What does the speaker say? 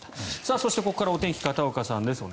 そしてここからお天気片岡さんです。